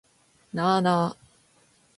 なあなあ